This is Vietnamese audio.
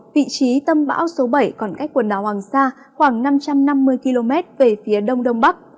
vị trí tâm bão số bảy còn cách quần đảo hoàng sa khoảng năm trăm năm mươi km về phía đông đông bắc